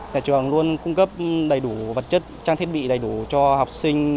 nhà trường luôn cung cấp đầy đủ vật chất trang thiết bị đầy đủ cho học sinh